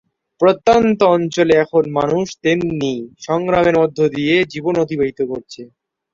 প্রত্যন্ত অঞ্চলে এখনো মানুষ তেমনি সংগ্রামের মধ্য দিয়ে জীবন অতিবাহিত করছে।